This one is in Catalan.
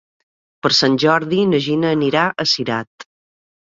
Per Sant Jordi na Gina anirà a Cirat.